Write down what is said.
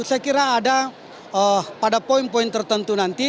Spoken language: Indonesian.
saya kira ada pada poin poin tertentu nanti